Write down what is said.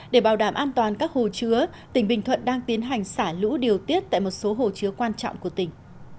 để bảo đảm an toàn các hồ chứa tỉnh bình thuận đang tiến hành xả lũ điều tiết tại một số hồ chứa quan trọng của tỉnh